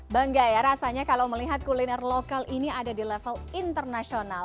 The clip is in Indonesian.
bangga ya rasanya kalau melihat kuliner lokal ini ada di level internasional